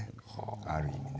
ある意味ね。